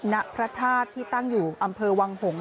ณพระธาตุที่ตั้งอยู่อำเภอวังหงษ